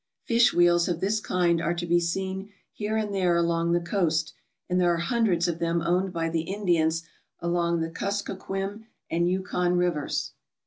Fish wheels of this kind are to be seen here and there along the coast, and there are hundreds of them owned by the Indians along the Kuskokwim and Yukon rivers.